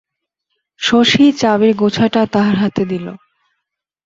শশী চাবির গোছাটা তাহার হাতে দিল।